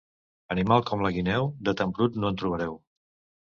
Animal com la guineu, de tan brut no en trobareu.